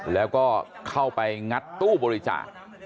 แล้วก็เข้าไปงัดตู้บริจาค